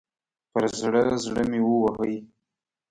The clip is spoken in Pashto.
پر زړه، زړه مې ووهئ